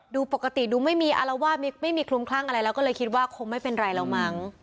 ดูปกติดูไม่มีอารวาสไม่มีคลุมคลั่งอะไรแล้วก็เลยคิดว่าคงไม่เป็นไรแล้วมั้ง